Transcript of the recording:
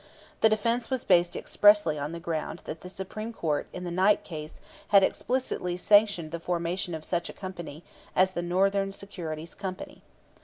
The defense was based expressly on the ground that the Supreme Court in the Knight case had explicitly sanctioned the formation of such a company as the Northern Securities Company.